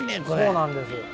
そうなんです。